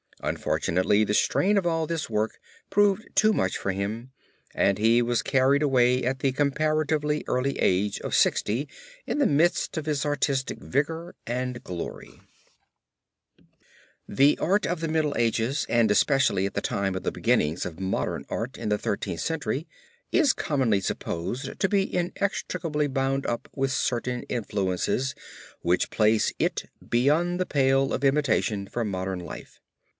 Unfortunately the strain of all this work proved too much for him and he was carried away at the comparatively early age of sixty in the midst of his artistic vigor and glory. {opp147} ESPOUSAL OF ST. CATHERINE (GADDI, XIII. CENTURY PUPIL, PERUGIA) The art of the Middle Ages and especially at the time of the beginnings of modern art in the Thirteenth Century, is commonly supposed to be inextricably bound up with certain influences which place it beyond the pale of imitation for modern life.